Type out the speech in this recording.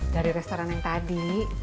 dari restoran yang tadi